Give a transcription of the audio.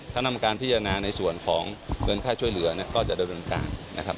ถ้านำการพิจารณาในส่วนของเงินค่าช่วยเหลือก็จะได้เป็นการ